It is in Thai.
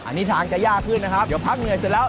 อันนี้ทางจะยากขึ้นนะครับเดี๋ยวพักเหนื่อยเสร็จแล้ว